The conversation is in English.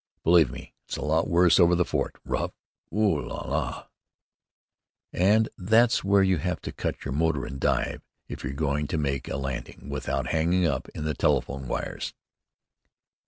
"Believe me, it's a lot worse over the fort. Rough? Oh, là là!" "And that's where you have to cut your motor and dive, if you're going to make a landing without hanging up in the telephone wires."